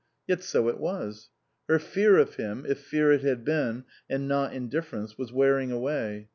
Yet so it was. Her fear of him, if fear it had been, and not indifference, was wearing away.